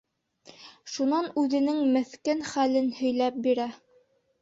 Шунан үҙенең меҫкен хәлен һөйләп бирә.